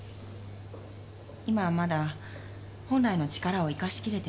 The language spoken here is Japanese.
「今はまだ本来の力を生かしきれてない」